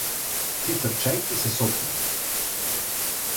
Ти трчајќи се сопна.